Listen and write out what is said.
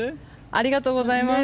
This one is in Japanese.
ありがとうございます。